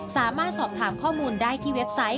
สามารถสอบถามข้อมูลได้ที่เว็บไซต์